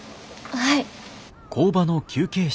はい。